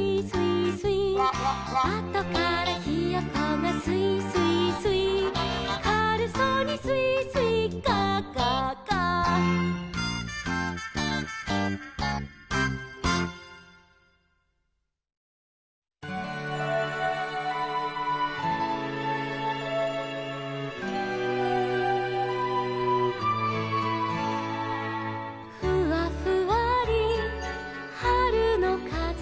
「あとからひよこがすいすいすい」「かるそうにすいすいガァガァガァ」「ふわふわりはるのかぜ」